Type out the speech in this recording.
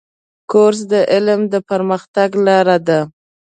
کورس د علم د پرمختګ لاره ده.